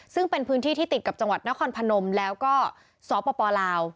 ซึ่งเป็นพื้นที่ที่ติดกับจังหวัดนครพนมแล้วก็สปลาว